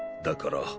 だから？